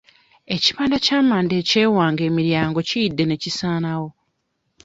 Ekibanda ky'amanda eky'ewange emiryango kiyidde ne kisaanawo.